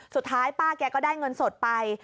สุดท้ายป้าแกก็ได้เงินสดไป